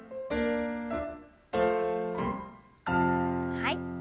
はい。